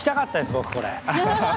僕これ。